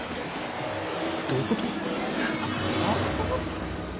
どういうこと？